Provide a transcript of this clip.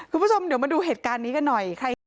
คุณผู้ชมเดี๋ยวมาดูเหตุการณ์นี้กันหน่อย